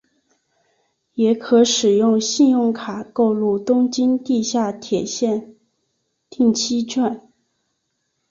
也可使用信用卡购入东京地下铁线定期券。